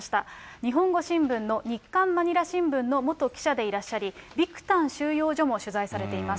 日本語新聞の日刊まにら新聞の元記者でいらっしゃり、ビクタン収容所も取材されています。